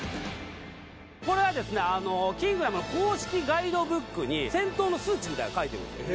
これはですね『キングダム』の公式ガイドブックに戦闘の数値みたいなの書いてるんですよ。